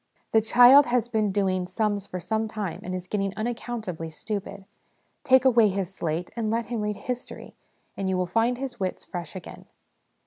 The child has been doing sums for some time, and is getting unaccountably stupid : take away his slate and let him read history, and you find his wits fresh again.